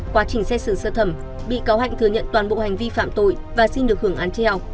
quá trình xét xử sơ thẩm bị cáo hạnh thừa nhận toàn bộ hành vi phạm tội và xin được hưởng án treo